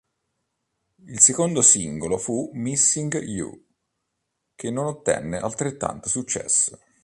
Il secondo singolo fu "Missing You", che non ottenne altrettanto successo.